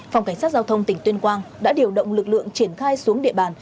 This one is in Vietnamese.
phòng cảnh sát giao thông tỉnh tuyên quang đã điều động lực lượng triển khai xuống địa bàn